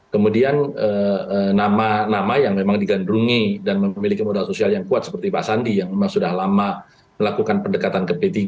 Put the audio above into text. kemudian nama nama yang memang digandrungi dan memiliki modal sosial yang kuat seperti pak sandi yang memang sudah lama melakukan pendekatan ke p tiga